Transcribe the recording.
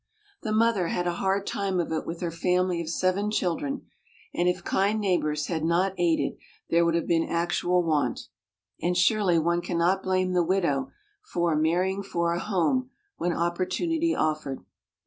The mother had a hard time of it with her family of seven children, and if kind neighbors had not aided, there would have been actual want. And surely one can not blame the widow for "marrying for a home" when opportunity offered.